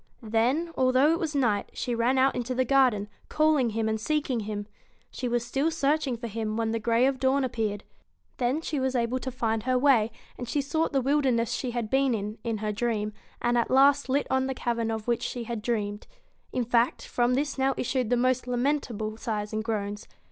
Then, although it was night, she ran out into the garden, calling him and seeking him. She was still searching for him when the grey of dawn appeared. Then she was able to find her way, and she sought the wilderness she had been in, in her dream, and at last lit on the cavern of which she had dreamed. In fact, from this now issued the most lamentable sighs and groans.